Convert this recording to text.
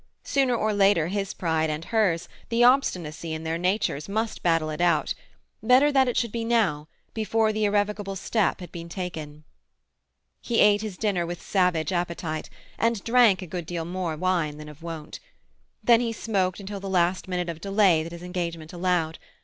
Sooner or later his pride and hers, the obstinacy in their natures, must battle it out; better that it should be now, before the irrevocable step had been taken. He ate his dinner with savage appetite, and drank a good deal more wine than of wont. Then he smoked until the last minute of delay that his engagement allowed.